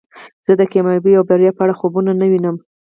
زه د کامیابی او بریا په اړه خوبونه نه وینم